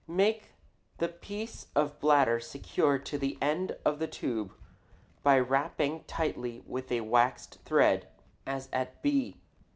Make the piece of bladder secure to the end of the tube by wrapping tightly with a waxed thread, as at B.